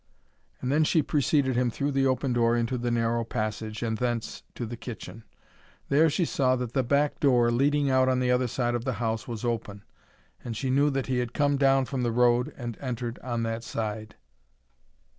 And then she preceded him through the open door into the narrow passage, and thence to the kitchen. There she saw that the back door, leading out on the other side of the house, was open, and she knew that he had come down from the road and entered on that side.